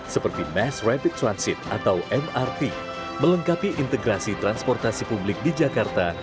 seperti mass rapid transit atau mrt melengkapi integrasi transportasi publik di jakarta